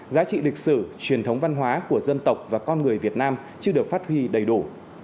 giá trị lịch sử truyền thống văn hóa của dân tộc và con người việt nam chưa được phát huy đầy đủ